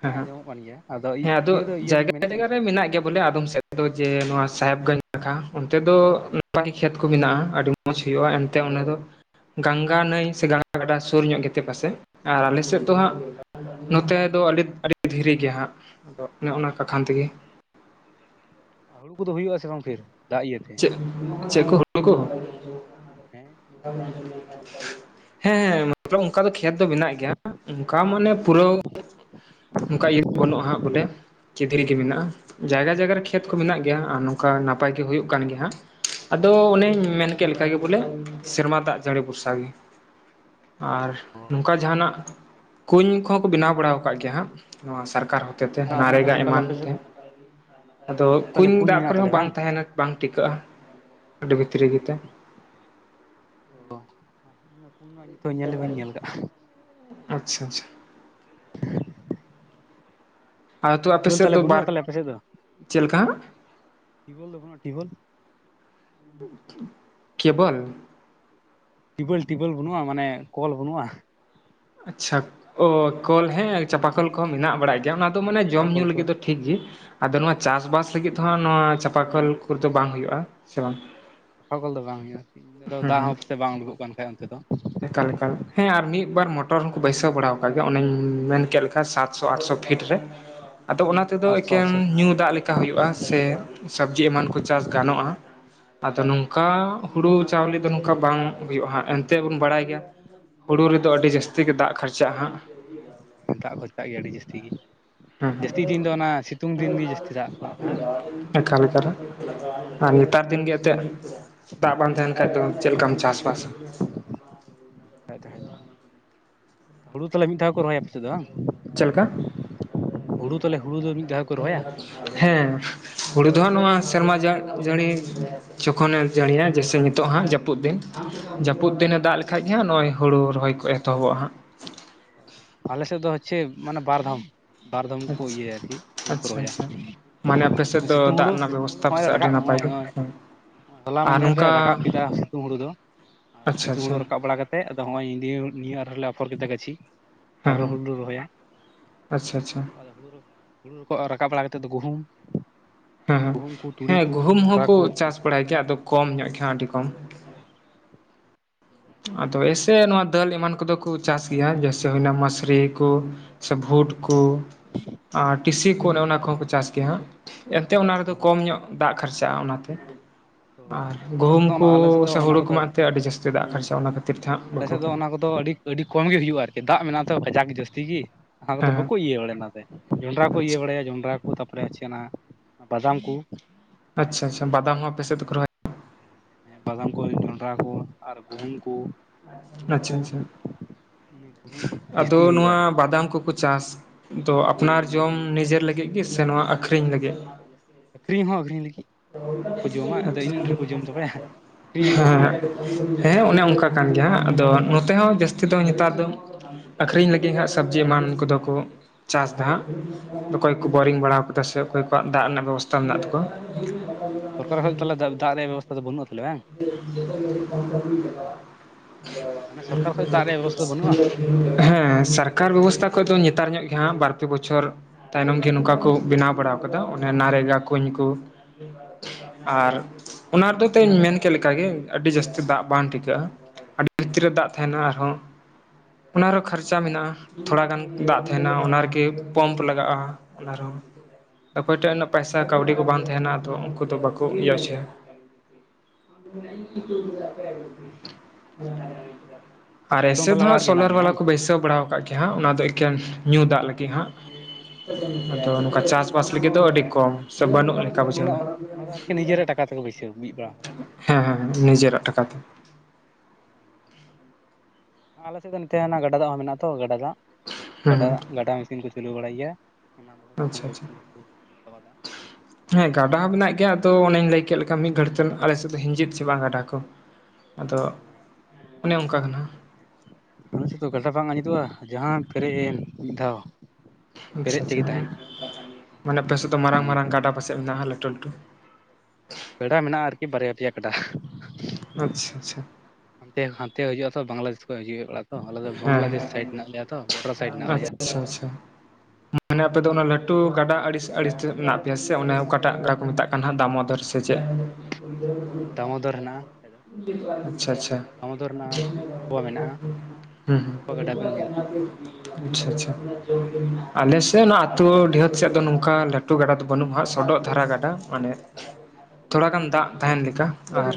ᱦᱮᱸ ᱦᱮᱸ ᱟᱸᱡᱚᱢᱚᱜ ᱠᱟᱱ ᱜᱮᱭᱟ ᱦᱮᱸ ᱟᱫᱚ ᱤᱭᱟᱹ ᱫᱚ ᱤᱭᱟᱹ ᱫᱚᱧ ᱡᱟᱭᱜᱟ ᱢᱮᱱᱮᱫ ᱠᱟᱱ ᱡᱟᱭᱜᱟ ᱨᱮ ᱛᱟᱦᱮᱸ ᱢᱮᱱᱟᱜ ᱜᱮᱭᱟ᱾ ᱵᱚᱞᱮ ᱟᱫᱚᱢ ᱥᱮᱫ ᱫᱚ ᱡᱮ ᱱᱚᱣᱟ ᱥᱟᱦᱮᱵᱽᱜᱚᱸᱧᱡᱽ ᱱᱟᱠᱷᱟ ᱚᱱᱛᱮ ᱫᱚ ᱱᱟᱯᱟᱭ ᱠᱷᱮᱛ ᱠᱚ ᱢᱮᱱᱟᱜᱼᱟ ᱟᱹᱰᱤ ᱢᱚᱸᱡᱽ ᱦᱩᱭᱩᱜᱼᱟ ᱮᱱᱛᱮ ᱚᱱᱮ ᱫᱚ ᱜᱟᱝᱜᱟ ᱱᱟᱹᱭ ᱥᱮ ᱜᱟᱝᱜᱟ ᱜᱟᱰᱟ ᱥᱩᱨ ᱧᱚᱜ ᱜᱮᱛᱮ ᱯᱟᱥᱮᱡ ᱟᱨ ᱟᱞᱮᱥᱮᱫ ᱛᱚ ᱦᱟᱸᱜ ᱱᱚᱛᱮ ᱫᱚ ᱟᱰᱤ ᱟᱹᱰᱤ ᱫᱷᱤᱨᱤ ᱜᱮᱭᱟ ᱦᱟᱸᱜ ᱟᱫᱚ ᱱᱚᱜᱼᱱᱟ ᱠᱟᱛᱷᱟ ᱛᱮᱜᱮ᱾ ᱟ ᱦᱩᱲᱩ ᱠᱚᱫᱚ ᱦᱩᱭᱩᱜᱼᱟᱥᱮ ᱵᱟᱝ ᱯᱷᱤᱨ ᱫᱟᱜ ᱤᱭᱟᱹᱛᱮ? ᱪᱮᱫ ᱪᱮᱫ ᱠᱚ ᱦᱩᱲᱩ ᱠᱚ? ᱦᱮᱸ᱾ ᱦᱮᱸ ᱦᱮᱸ ᱢᱟ ᱛᱚ ᱚᱝᱠᱟ ᱫᱚ ᱠᱷᱮᱛ ᱫᱚ ᱢᱮᱱᱟᱜ ᱜᱮᱭᱟ ᱚᱝᱠᱟ ᱢᱟᱱᱮ ᱯᱩᱨᱟᱹᱣ ᱚᱝᱠᱟ ᱤᱭᱟᱹ ᱵᱟᱹᱱᱩᱜᱼᱟ ᱦᱟᱸᱜ ᱵᱚᱞᱮ᱾ ᱠᱮ ᱫᱷᱤᱨᱤ ᱜᱮ ᱢᱮᱱᱟᱜᱼᱟ ᱡᱟᱭᱜᱟ ᱡᱟᱭᱜᱟ ᱨᱮ ᱠᱷᱮᱛ ᱠᱚ ᱢᱮᱱᱟᱜ ᱜᱮᱭᱟ, ᱟᱨ ᱱᱚᱝᱠᱟ ᱱᱟᱯᱟᱭ ᱜᱮ ᱦᱩᱭᱩᱜ ᱠᱟᱱ ᱜᱮᱭᱟ ᱦᱟᱸᱜ᱾ ᱟᱫᱚ ᱚᱱᱮᱧ ᱢᱮᱱ ᱠᱮᱫ ᱞᱮ ᱞᱮᱠᱟᱜ ᱜᱮ ᱵᱚᱞᱮ ᱥᱮᱨᱢᱟ ᱫᱟᱜ ᱡᱟᱹᱲᱤ ᱵᱷᱚᱨᱥᱟ ᱜᱮ᱾ ᱟᱨ ᱚ ᱱᱚᱝᱠᱟ ᱡᱟᱦᱟᱸᱱᱟᱜ ᱠᱩᱧ ᱠᱚᱦᱚᱸ ᱠᱚ ᱵᱮᱱᱟᱣ ᱵᱟᱲᱟ ᱠᱟᱜ ᱜᱮᱭᱟ ᱦᱟᱸᱜ᱾ ᱱᱚᱣᱟ ᱥᱚᱨᱠᱟᱨ ᱦᱚᱛᱮ ᱠᱩᱧ ᱛᱮ ᱱᱟ ᱢᱮᱱᱟᱜᱼᱟ ᱟᱯᱮ ᱨᱮᱜᱟ ᱥᱮᱫ ᱛᱟᱦᱞᱮ ᱮᱢᱟᱱ ᱟᱯᱮ ᱛᱮ᱾ ᱥᱮᱫ ᱟᱫᱚ ᱟᱯᱮ ᱥᱮᱫ ᱛᱟᱦᱞᱮ ᱠᱩᱧ ᱫᱟᱜ ᱢᱮᱱᱟᱜ ᱠᱚᱨᱮ ᱛᱟᱞᱮ ᱦᱚᱸ ᱵᱟᱝ ᱛᱟᱦᱮᱸᱱᱟ ᱵᱟᱝ ᱴᱤᱠᱟᱹᱜᱼᱟ ᱟᱹᱰᱤ ᱵᱷᱤᱛᱨᱤ ᱜᱮᱛᱮ᱾ ᱚ ᱤᱧ ᱠᱩᱧ ᱢᱟ ᱱᱤᱛᱚᱜ ᱧᱮᱞ ᱵᱟᱹᱧ ᱧᱮᱞ ᱠᱟᱜ᱾ ᱟᱪᱪᱷᱟ ᱪᱷᱟ᱾ ᱦᱚᱸ ᱟ ᱛᱚ ᱟᱯᱮ ᱥᱮᱫ ᱫᱚ ᱵᱟᱱ ᱟᱯᱮ ᱥᱮᱫ ᱫᱚ ᱪᱮᱫ ᱞᱮᱠᱟ ᱦ ᱴᱤᱭᱩᱵᱚᱭᱮᱞ ᱫᱚ ᱵᱟᱹᱱᱩᱜᱼᱟ ᱴᱤᱭᱩᱵᱚᱭᱮᱞ ᱠᱮᱵᱚᱞ ᱴᱤᱯᱮᱞ ᱴᱤᱯᱮᱞ ᱵᱟᱹᱱᱩᱜᱼᱟ ᱢᱟᱱᱮ ᱠᱚᱞ ᱵᱟᱹᱱᱩᱜᱼᱟ ᱟᱪᱪᱷᱟ ᱚ ᱠᱚᱞ ᱦᱮᱸ ᱪᱟᱸᱯᱟ ᱠᱚᱞ ᱠᱚᱦᱚᱸ ᱢᱮᱱᱟᱜ ᱵᱟᱲᱟᱜ ᱜᱮᱭᱟ ᱚᱱᱟ ᱫᱚ ᱦᱮᱸ ᱢᱟᱱᱮ ᱡᱚᱢ ᱪᱟᱯᱟ ᱧᱩ ᱠᱚᱞ ᱠᱚ ᱞᱟᱹᱜᱤᱫ ᱫᱚ ᱴᱷᱤᱠᱜᱮ ᱟᱫᱚ ᱱᱚᱣᱟ ᱪᱟᱥ ᱵᱟᱥ ᱞᱟᱹᱜᱤᱫ ᱛᱮᱦᱚᱸ ᱱᱚᱣᱟ ᱪᱟᱸᱯᱟ ᱠᱚᱞ ᱠᱚᱨᱫᱚ ᱵᱟᱝ ᱦ ᱦᱩᱭᱩᱜᱳᱜᱼᱟ ᱥᱮ ᱵᱟᱝ ᱥᱟᱠᱟᱷᱟ ᱠᱚᱚᱞ ᱫᱚ ᱵᱟᱝ ᱦᱩᱭᱩᱜᱼᱟᱤ ᱤ ᱫᱚ ᱫᱟᱜ ᱦᱚᱸ ᱯᱟᱥᱮ ᱵᱟᱝ ᱩᱰᱩᱠᱚᱜ ᱠᱟᱱ ᱠᱷᱟᱡ ᱚᱱᱛᱮ ᱫᱚ ᱮᱠᱟᱞᱮᱠᱟ ᱦᱮᱸ ᱟᱨ ᱢᱤᱫᱵᱟᱨ ᱢᱚᱴᱚᱨ ᱦᱚᱸᱠᱚ ᱵᱟᱹᱭᱥᱟᱹᱣ ᱵᱟᱲᱟ ᱟᱠᱟᱫ ᱜᱮᱭᱟ ᱧ ᱢᱮᱱ ᱠᱮᱫ ᱞᱮᱡ ᱥᱟᱛᱚ ᱟᱴᱥᱚ ᱯᱷᱤᱴ ᱨᱮ ᱟᱫᱚ ᱚᱱᱟ ᱛᱮᱫᱚ ᱦᱟᱛᱥᱚ ᱮᱠᱮᱱ ᱦᱟᱛᱥᱚ ᱧᱩ ᱫᱟᱜ ᱞᱮᱠᱟ ᱪᱠᱟ ᱦᱩᱭᱩᱜᱼᱟ ᱥᱮ ᱥᱚᱵᱽᱡᱤ ᱮᱢᱟᱱ ᱠᱚ ᱪᱟᱥ ᱜᱟᱱᱚᱜᱼᱟ ᱟᱫᱚ ᱱᱚᱝᱠᱟ ᱦᱩᱲᱩ ᱪᱟᱣᱞᱮ ᱫᱚ ᱱᱚᱝᱠᱟ ᱵᱟᱝ ᱦᱩᱭᱩᱜ ᱦ ᱮᱱ ᱮᱱᱛᱮᱜ ᱵᱚᱱ ᱵᱟᱲᱟᱭ ᱜᱮᱭᱟ ᱦᱩᱲᱩ ᱨᱮᱫᱚ ᱟᱹᱰᱤ ᱡᱟᱹᱥᱛᱤ ᱜᱮ ᱫᱟᱜ ᱠᱷᱟᱨᱪᱟᱜᱼᱟ ᱦᱟᱸᱜ ᱫᱟᱜ ᱠᱷᱚᱨᱪᱟᱜ ᱜᱮᱭᱟ ᱟᱹᱰᱤ ᱡᱟᱹᱥᱛᱤ ᱜᱮ ᱦᱩᱸ ᱦᱩᱸ ᱡᱟᱹᱥᱛᱤ ᱫᱤᱱ ᱫᱚ ᱚᱱᱟ ᱥᱤᱛᱩᱝ ᱫᱤᱱ ᱜᱮ ᱡᱟᱹᱥᱛᱤ ᱫᱟᱜ ᱠᱷᱚᱨᱪᱟ ᱠᱚ ᱟ ᱮᱠᱟᱮᱠᱟᱨᱮ ᱟᱨ ᱱᱮᱛᱟᱨ ᱫᱤᱱ ᱜᱮ ᱮᱱᱛᱮᱫ ᱫᱟᱜ ᱵᱟᱝ ᱛᱟᱦᱮᱱ ᱠᱷᱟᱡ ᱫᱚ ᱪᱮᱫ ᱞᱮᱠᱟᱢ ᱪᱟᱥ ᱵᱟᱟᱥᱟ ᱦᱳᱭᱛᱚ ᱦᱳᱭᱛᱚ ᱦᱩᱲᱩ ᱛᱟᱦᱚᱞᱮ ᱢᱤᱫ ᱫᱷᱟᱣ ᱠᱚ ᱨᱚᱦᱚᱭᱟ ᱟᱯᱮᱥᱮ ᱫᱚ ᱵᱟᱝ ᱪᱮᱫᱮ ᱞᱮᱠᱟ ᱦᱩᱲᱩ ᱛᱟᱦᱚᱞᱮ ᱦᱩᱲᱩ ᱫᱚ ᱢᱤᱫ ᱫᱷᱟᱣ ᱠᱚ ᱨᱚᱦᱚᱭᱟ ᱦᱮᱸ ᱦᱩᱲᱩ ᱫᱚ ᱦᱟᱸᱜ ᱱᱚᱣᱟ ᱥᱮᱨᱢᱟ ᱡᱟᱹᱲᱤ ᱡᱚᱠᱷᱚᱱᱮ ᱡᱟᱹᱲᱤᱭᱟ ᱡᱮᱭᱥᱮ ᱱᱤᱛᱚᱜ ᱦᱟᱸᱜ ᱡᱟᱹᱯᱩᱫ ᱫᱤᱱ ᱡᱟᱹᱯᱩᱫ ᱫᱤᱱᱮ ᱫᱟᱜ ᱞᱮᱠᱷᱟᱡ ᱜᱮ ᱦᱟᱸᱜᱼᱚᱭ ᱦᱩᱲᱩ ᱨᱚᱦᱚᱭ ᱮᱛᱚᱦᱚᱵᱚᱜ ᱦᱟᱸᱜ ᱟᱞᱮᱮᱥᱮᱫ ᱫᱚ ᱦᱚᱪᱪᱮ ᱢᱟᱱᱮ ᱵᱟᱨ ᱫᱷᱚᱢ ᱵᱟᱨ ᱫᱷᱚᱢ ᱠᱚ ᱟᱪᱪᱷᱟ ᱤᱭᱟᱹᱭᱟ ᱟᱨᱠᱤ ᱦᱩᱲᱩ ᱠᱚ ᱟᱪᱪᱷᱟ ᱨᱚᱦᱚᱭᱟ ᱟᱪᱪᱷᱟ ᱢᱟᱱᱮ ᱟᱯᱮ ᱥᱮᱫ ᱫᱚ ᱥᱤᱛᱩᱝ ᱫᱟᱜ ᱦᱩᱲᱩ ᱨᱮᱱᱟᱜ ᱥᱤᱛᱩᱝ ᱦᱩᱲᱩ ᱵᱮᱵᱚᱥᱛᱷᱟ ᱦ ᱯᱟᱥᱮᱡ ᱟᱹᱰᱤ ᱨᱟᱠᱟᱵ ᱱᱟᱯᱟᱭ ᱦᱭ ᱜᱮ ᱦᱭ ᱦᱮᱸ ᱦᱚᱞᱟ ᱟᱨ ᱢᱫᱮᱨ ᱨᱮ ᱱᱚᱝᱠᱟ ᱞᱮ ᱨᱟᱠᱟᱵ ᱠᱮᱫᱟ ᱥᱤᱛᱩᱝ ᱦᱩᱲᱩ ᱫᱚ ᱟᱪᱪᱷᱟ ᱥᱤᱛᱩᱝ ᱦᱩᱲᱩ ᱟᱪᱪᱷᱟ ᱨᱟᱠᱟᱵ ᱵᱟᱲᱟ ᱠᱟᱛᱮᱮᱫ ᱦᱮᱸ ᱟᱫᱚ ᱦᱚᱸᱜᱼᱚᱭ ᱱᱤᱭᱟᱹ ᱟᱨᱞᱮ ᱟᱯᱷᱚᱨ ᱠᱮᱫᱟ ᱜᱟᱟᱹᱪᱷᱤ ᱦᱮᱸ ᱟᱨ ᱦᱮᱸ ᱦᱩᱲᱩᱩ ᱨᱚᱦᱚᱭᱟ ᱟᱪᱪᱷᱟ ᱟᱪᱪᱷᱟ ᱟᱫᱚ ᱦᱩᱲᱩ ᱨ ᱦᱩᱲᱩ ᱨᱠᱚ ᱨᱟᱠᱟᱵ ᱵᱟᱲᱟ ᱠᱟᱛᱮᱫ ᱫᱚ ᱜᱩᱦᱩᱢ ᱦᱮᱸ ᱦᱮᱸ ᱜᱩᱦᱩᱢ ᱠᱚ ᱛᱩᱲᱤ ᱦᱮᱸ ᱠᱚ ᱜᱩᱦᱩᱢ ᱡᱚᱱᱰᱨᱟ ᱦᱚᱸᱠᱚ ᱠᱚ ᱪᱟᱥ ᱵᱟᱲᱟᱭ ᱜᱮᱭᱟ ᱟᱫᱚ ᱠᱚᱢ ᱧᱚᱜ ᱜᱮ ᱟᱹᱰᱤ ᱠᱚᱢ ᱦᱮᱸ ᱟᱫᱚ ᱮᱮᱭᱥᱮ ᱱᱚᱣᱟ ᱫᱟᱹᱞ ᱮᱢᱟᱱ ᱠᱚᱫᱚ ᱠᱚ ᱪᱟᱥ ᱜᱮᱭᱟ ᱡᱮᱭᱥᱮ ᱦᱩᱭᱱᱟ ᱢᱟᱥᱨᱤ ᱠᱚ ᱥᱮ ᱵᱷᱩᱴ ᱠᱚ ᱟᱨ ᱴᱤᱥᱤ ᱠᱚ ᱚᱱᱮ ᱚᱱᱟ ᱠᱚᱦᱚᱸ ᱠᱚ ᱪᱟᱥ ᱜᱮᱭᱟ ᱦᱟᱸᱜ ᱮᱱᱛᱮᱜ ᱚᱱᱟ ᱨᱮᱫᱚ ᱠᱚᱢ ᱚ ᱧᱚᱜ ᱫᱟᱜ ᱠᱷᱚᱨᱪᱟᱜᱼᱟ ᱚᱱᱟᱛᱮ ᱟᱨ ᱟᱞᱮ ᱥᱮᱫ ᱜᱩᱦᱩᱢ ᱫᱚ ᱠᱚ ᱟᱞᱮ ᱥᱮᱫ ᱫᱚ ᱥᱮ ᱚᱱᱟ ᱦᱩᱲᱩ ᱠᱚᱫᱚ ᱠᱚᱢᱟ ᱮᱱᱛᱮ ᱟᱹᱰᱤ ᱡᱟᱥᱛᱤ ᱫᱟᱜ ᱠᱷᱚᱨᱪᱟ ᱟᱞᱮ ᱥᱮᱫ ᱫᱚ ᱚᱱᱟ ᱠᱚᱫᱚ ᱟᱹᱰᱤ ᱟᱹᱰᱤ ᱠᱚᱢ ᱜᱮᱮ ᱦᱩᱭᱩᱜᱼᱟ ᱟᱨᱠᱤ ᱫᱟᱜ ᱢᱮᱱᱟᱜᱼᱟ ᱛᱮ ᱵᱷᱟᱡᱟ ᱜᱮ ᱡᱟᱹᱥᱛᱤ ᱜᱮ ᱟ ᱫᱚ ᱦᱮᱸ ᱵᱠᱚ ᱤᱭᱟᱹ ᱵᱟᱲᱟ ᱚᱱᱟᱛᱮᱹ ᱡᱚᱸᱰᱨᱟ ᱠᱚ ᱤᱭᱟᱹ ᱟᱪᱪᱷᱟ ᱵᱟᱲᱟᱭᱟ ᱡᱚᱱᱰᱨᱟ ᱠᱚ ᱛᱟᱨᱯᱚᱨᱮ ᱦᱪᱮ ᱵᱟᱫᱟᱢ ᱠᱚ ᱟᱪᱪᱷᱟᱪᱷᱟ ᱵᱟᱫᱟᱢ ᱦᱚᱸᱯ ᱥᱮᱫ ᱫᱚ ᱠᱚ ᱨᱚᱦᱥᱭᱟ ᱦᱮᱸ ᱵᱟᱫᱟᱢ ᱠᱚ ᱡᱚᱱᱰᱨᱟ ᱠᱚ ᱟᱨ ᱜᱩᱦᱩᱢ ᱠᱚ ᱛᱩᱲᱤ ᱟᱪᱪᱷᱟ ᱠᱚ ᱟᱪᱪᱷᱟ ᱤᱱᱟᱹ ᱠᱚᱜᱮ ᱟᱫᱚ ᱡᱟᱹᱥᱛᱤ ᱦᱩᱭᱩᱜᱼᱟ ᱱᱚᱣᱟ ᱟᱨᱠᱤ ᱵᱟᱫᱟᱢ ᱠᱚ ᱠᱚ ᱪᱟᱥ ᱫᱚ ᱟᱯᱱᱟᱨ ᱡᱚᱢ ᱱᱤᱡᱮᱨ ᱞᱟᱹᱜᱤᱫ ᱜᱮ ᱥᱮ ᱱᱚᱣᱟ ᱟᱠᱷᱨᱤᱧ ᱞᱟᱹᱜᱤᱫ ᱾ ᱟᱹᱠᱷᱨᱤᱧ ᱦᱚᱸ ᱟᱹᱠᱷᱨᱤᱧ ᱞᱟᱹᱜᱤᱫ ᱡᱚᱢᱠᱚ ᱡᱚᱢᱟ ᱟᱫᱚ ᱤᱱᱟᱹᱜ ᱰᱷᱮᱨᱠᱚ ᱡᱚᱢ ᱛᱟᱠᱟᱭᱟ ᱟᱠᱨᱤᱧ ᱦᱚᱸᱠᱚ ᱟᱹᱠᱷᱨᱤᱧᱟ᱾ ᱦᱮᱸ ᱦᱮᱸ ᱚᱱᱮ ᱚᱱᱠᱟ ᱠᱟᱱ ᱜᱮᱭᱟ ᱦᱟᱸ ᱟᱫᱚ ᱱᱚᱛᱮ ᱦᱚᱸ ᱡᱟᱹᱥᱛᱤ ᱫᱚ ᱱᱮᱛᱟᱨ ᱫᱚ ᱟᱹᱠᱷᱨᱤᱧ ᱞᱟᱹᱜᱤᱫ ᱦᱟᱸᱜ ᱥᱚᱵᱽᱡᱤ ᱮᱢᱟᱱ ᱠᱚᱫᱚ ᱠᱚ ᱪᱟᱥ ᱫᱚ ᱦᱜ ᱚᱠᱚᱭ ᱠᱚ ᱵᱳᱨᱤᱝ ᱵᱟᱲᱟ ᱟᱠᱟᱫᱟ ᱥᱮ ᱚᱠᱚᱭ ᱠᱚᱣᱟᱜ ᱫᱟᱜ ᱨᱮᱱᱟᱜ ᱵᱮᱵᱚᱥᱛᱟ ᱢᱮᱱᱟᱜ ᱛᱟᱠᱚᱣᱟ [inaudible] ᱥᱚᱨᱠᱟᱨ ᱠᱷᱚᱡ ᱫᱚ ᱛᱟᱞᱦᱮ ᱫᱟᱜ ᱨᱮᱭᱟᱜ ᱵᱮᱵᱚᱥᱛᱷᱟ ᱫᱚ ᱵᱟᱹᱱᱩᱜᱼᱟ ᱛᱟᱞᱦᱮ ᱵᱟᱝ? ᱢᱟᱱᱮ ᱥᱚᱨᱠᱟᱨ ᱠᱷᱚᱡ ᱫᱟᱜ ᱨᱮᱭᱟᱜ ᱵᱮᱵᱚᱥᱛᱷᱟ ᱫᱚ ᱵᱟᱹᱱᱩᱜᱼᱟ [inaudible] ᱦᱮᱸ ᱥᱚᱨᱠᱟᱨ ᱵᱮᱵᱚᱥᱛᱷᱟ ᱠᱷᱚᱡ ᱫᱚ ᱧᱮᱛᱟᱨ ᱧᱚᱜ ᱜᱮ ᱦᱟᱸᱜ ᱵᱟᱨ ᱯᱮ ᱵᱚᱪᱷᱚᱨ ᱛᱟᱭᱱᱚᱢ ᱜᱮ ᱱᱚᱝᱠᱟ ᱠᱚ ᱵᱮᱱᱟᱣ ᱵᱟᱲᱟᱣ ᱠᱟᱫᱟ ᱚᱱᱮ ᱱᱟᱨᱮᱜᱟ ᱠᱩᱧ ᱠᱚ ᱟᱨ ᱚᱱᱟ ᱦᱚᱛᱮᱡ ᱛᱮᱧ ᱢᱮᱱ ᱠᱮᱫ ᱞᱮᱠᱟ ᱜᱮ ᱟᱹᱰᱤ ᱡᱟᱹᱥᱛᱤ ᱫᱟᱜ ᱵᱟᱝ ᱴᱤᱠᱟᱹᱜᱼᱟ᱾ ᱵᱷᱤᱛᱤᱨ ᱨᱮ ᱫᱟᱜ ᱛᱟᱦᱮᱱᱟ ᱟᱨᱦᱚᱸ ᱚᱱᱟ ᱨᱮᱦᱚ ᱠᱷᱚᱨᱪᱟ ᱢᱮᱱᱟᱜᱼᱟ, ᱛᱷᱚᱲᱟ ᱜᱟᱱ ᱫᱟᱜ ᱛᱟᱦᱮᱱᱟ ᱚᱱᱟ ᱨᱮᱜᱮ ᱯᱟᱢᱯ ᱞᱟᱜᱟᱜᱼᱟ᱾ ᱚᱱᱟ ᱨᱮᱦᱚᱸ᱾ ᱚᱠᱚᱭ ᱴᱷᱮᱡ ᱩᱱᱟᱹᱜ ᱯᱚᱭᱥᱟ ᱠᱟᱹᱣᱰᱤ ᱠᱚ ᱵᱟᱝ ᱛᱟᱦᱮᱱᱟ ᱚᱫᱚ ᱩᱱᱠᱩ ᱫᱚ ᱵᱟᱠᱚ ᱤᱭᱟᱹ ᱦᱚᱪᱚᱭᱟ᱾ [inaudible] ᱟᱨ ᱱᱤᱛᱚᱝ ᱮᱥᱮᱫ ᱛᱟᱦᱚᱞᱮ ᱫᱚ ᱦᱟᱸᱜ ᱚᱲᱟᱜ ᱨᱮᱜᱮ ᱦᱮᱱᱟᱜ ᱥᱚᱞᱟᱨ ᱢᱮᱭᱟ ᱵᱟᱞᱟ ᱵᱟᱝ ᱠᱚ ᱵᱟᱹᱭᱥᱟᱹᱣ ᱵᱟᱲᱟᱣ ᱠᱟᱜ ᱜᱮᱭᱟ᱾ ᱦᱟᱸᱜ ᱚᱱᱟᱫᱚ ᱮᱠᱮᱱ ᱧᱩ ᱫᱟᱜ ᱞᱟᱹᱜᱤᱫ ᱦᱟᱸᱜ᱾ ᱟᱫᱚ ᱱᱚᱝᱠᱟ ᱪᱟᱥ ᱵᱟᱥ ᱞᱟᱹᱜᱤᱫ ᱫᱚ ᱟᱹᱰᱤ ᱠᱚᱢ ᱥᱮ ᱵᱟᱹᱱᱩᱜ ᱞᱮᱠᱟ ᱢᱟᱱᱮ ᱵᱩᱡᱷᱣ ᱚᱱᱟ ᱢᱮ᱾ ᱫᱚ ᱚᱱᱟ ᱫᱚ ᱟᱨᱠᱤ ᱱᱤᱡᱮᱨᱟᱜ ᱴᱟᱠᱟ ᱛᱮᱠᱚ ᱵᱟᱹᱭᱥᱟᱹᱣ ᱵᱤᱫ ᱵᱟᱲᱟ ᱦᱚ ᱥᱟᱜ᱾ ᱦᱮᱸ ᱦᱮᱸ ᱦᱮᱸ ᱱᱤᱡᱮᱨᱟᱜ ᱴᱟᱠᱟ ᱛᱮ᱾ [inaudible] ᱟᱞᱮ ᱥᱮᱫ ᱫᱚ ᱱᱚᱛᱮ ᱱᱟᱜ ᱜᱟᱰᱟ ᱫᱟᱜ ᱦᱚᱸ ᱢᱮᱱᱟᱜ ᱛᱚ ᱜᱟᱰᱟ ᱫᱟᱜ, ᱦᱮᱸ ᱜᱟᱰᱟ ᱦᱮᱸ ᱜᱟᱰᱟ ᱢᱮᱥᱤᱱ ᱠᱚ ᱪᱟᱹᱞᱩ ᱵᱟᱲᱟᱭ ᱜᱮᱭᱟ᱾ ᱚᱱᱟ ᱫᱚ ᱠᱚ ᱟᱪᱪᱷᱟ ᱟᱪᱪᱷᱟ ᱦᱩᱲᱩ ᱠᱚ ᱟᱵᱟᱫᱟ᱾ ᱦᱮᱸ ᱜᱟᱰᱟ ᱦᱚᱸ ᱢᱮᱱᱟᱜ ᱜᱮᱭᱟ ᱛᱚ ᱚᱱᱮᱧ ᱞᱟᱹᱭ ᱠᱮᱫ ᱞᱮᱠᱟ ᱢᱤᱫ ᱜᱷᱟᱹᱲᱤᱡ ᱛᱮ ᱟᱞᱮ ᱥᱮᱫ ᱫᱚ ᱦᱤᱸᱡᱤᱫ ᱪᱟᱵᱟᱜ-ᱟ ᱜᱟᱰᱟ ᱠᱚ᱾ ᱟᱫᱚ ᱚᱱᱮ ᱚᱱᱠᱟ ᱠᱟᱱᱟ᱾ ᱟᱞᱮ ᱥᱮᱫ ᱫᱚ ᱜᱟᱰᱟ ᱵᱟᱝ ᱟᱸᱡᱮᱫᱚᱜᱼᱟ ᱡᱟᱦᱟᱸ ᱯᱮᱨᱮᱡ ᱮᱱ ᱢᱤᱫ ᱫᱷᱟᱣ᱾ ᱟᱪᱪᱷᱟ ᱯᱮᱨᱮᱡ ᱟᱪᱪᱷᱟ ᱛᱮᱜᱮ ᱦᱮᱸ, ᱛᱟᱦᱮᱱᱟ ᱢᱟᱱᱮ ᱟᱯᱮ ᱥᱮᱫ ᱫᱚ ᱵᱟᱝ ᱢᱟᱨᱟᱝ ᱢᱟᱨᱟᱝ ᱟᱸᱡᱮᱫᱚᱜᱼᱟ ᱜᱟᱰᱟ ᱯᱟᱥᱮᱡ ᱢᱮᱱᱟᱜᱼᱟ ᱦᱟᱸᱜ ᱞᱟᱹᱴᱩ ᱞᱟᱹᱴᱩ? ᱜᱟᱰᱟ ᱢᱮᱱᱟᱜᱼᱟ ᱟᱨᱠᱤ ᱵᱟᱨᱭᱟ ᱯᱮᱭᱟ ᱜᱟᱰᱟ᱾ ᱟᱪᱪᱷᱟ ᱟᱪᱪᱷᱟ᱾ ᱦᱟᱱᱛᱮ ᱦᱟᱱᱛᱮ ᱦᱤᱡᱩᱜ ᱟ ᱛᱚ ᱵᱟᱝᱞᱟᱫᱮᱥ ᱠᱚ ᱦᱤᱡᱩᱜᱮᱫ ᱵᱟᱲ ᱛᱚ ᱟᱞᱮ ᱫᱚ ᱦᱮᱸ ᱵᱟᱝᱞᱟᱫᱮᱥ ᱥᱟᱭᱤᱰ ᱦᱮᱸ ᱦᱮᱱᱟᱜ ᱞᱮᱭᱟ ᱛᱚ ᱵᱚᱰᱟᱨ ᱥᱟᱭᱤᱰ ᱦᱮᱱᱟᱜ ᱞᱮᱭᱟ᱾ ᱟᱪᱪᱷᱟ ᱟᱪᱷᱟ᱾ ᱢᱟᱱᱮ ᱟᱯᱮ ᱫᱚ ᱚᱱᱟ ᱞᱟᱹᱴᱩ ᱜᱟᱰᱟ ᱟᱲᱤᱥ ᱟᱲᱤᱥ ᱛᱮ ᱢᱮᱱᱟᱜ ᱯᱮᱭᱟ ᱥᱮ ᱚᱱᱟ ᱚᱠᱟᱴᱟᱜ ᱜᱟᱰᱟ ᱠᱚ ᱢᱮᱛᱟᱜ ᱠᱟᱱ ᱦᱟᱸᱜ ᱫᱟᱢᱳᱫᱚᱨ ᱥᱮ ᱪᱮᱫ? ᱫᱟᱢᱳᱫᱚᱨ ᱦᱮᱱᱟᱜᱼᱟ ᱟᱪᱪᱷᱟ ᱟᱪᱪᱷᱟ᱾ ᱠᱚ ᱢᱮᱱᱟᱜᱼᱟ᱾ ᱯᱩᱱᱩᱨ ᱦᱩᱸ ᱦᱚᱵᱟ ᱦᱩᱸ, ᱜᱟᱰᱟ ᱵᱮᱱ ᱧᱮᱞ ᱟᱸᱡᱚᱢ ᱵᱟᱲᱟ ᱠᱚᱜᱼᱟ ᱟᱪᱪᱷᱟ ᱟᱪᱪᱷᱟ᱾ [inaudible] ᱟᱞᱮ ᱥᱮᱫ ᱱᱚᱣᱟ ᱟᱹᱛᱩ ᱰᱤᱦᱟᱹᱛ ᱥᱮᱫ ᱫᱚ ᱱᱚᱝᱠᱟ ᱞᱟᱹᱴᱩ ᱜᱟᱰᱟ ᱫᱚ ᱵᱟᱹᱱᱩᱜᱼᱟ ᱥᱚᱰᱚᱜ ᱫᱷᱟᱨᱟ ᱜᱟᱰᱟ ᱢᱟᱱᱮ ᱛᱷᱚᱲᱟ ᱜᱟᱱ ᱫᱟᱜ ᱛᱟᱦᱮᱱ ᱚ ᱞᱮᱠᱟ, ᱟᱨ